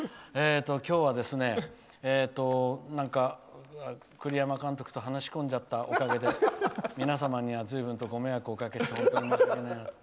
今日はですね、栗山監督と話し込んじゃったおかげで皆様にはずいぶんとご迷惑をおかけして本当に申し訳ないなと。